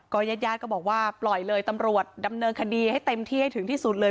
ญาติญาติก็บอกว่าปล่อยเลยตำรวจดำเนินคดีให้เต็มที่ให้ถึงที่สุดเลย